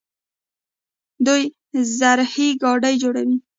دوی زرهي ګاډي جوړوي.